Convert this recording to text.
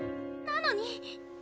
なのに。